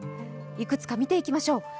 いくつか見ていきましょう。